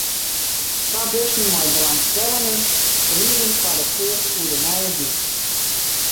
Twa bussen mei belangstellenden rieden foar it earst oer de nije dyk.